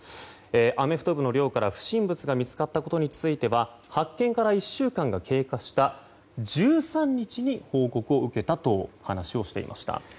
アメフト部の寮から不審物が見つかったことについては発見から１週間が経過した１３日に報告を受けたと話をしていました。